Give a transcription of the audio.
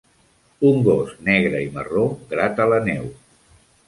un gos negre i marró grata la neu.